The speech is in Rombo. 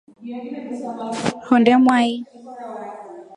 Honde mwai.